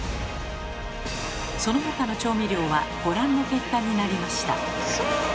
その他の調味料はご覧の結果になりました。